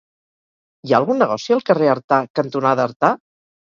Hi ha algun negoci al carrer Artà cantonada Artà?